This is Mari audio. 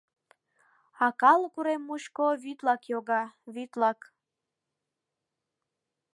А калык урем мучко вӱдлак йога, вӱдлак.